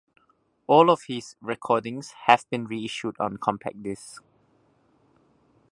All of his recordings have been reissued on compact disc.